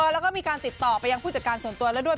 แล้วก็มีการติดต่อไปยังผู้จัดการส่วนตัวแล้วด้วย